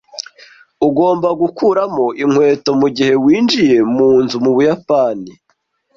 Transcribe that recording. Ugomba gukuramo inkweto mugihe winjiye munzu mu Buyapani.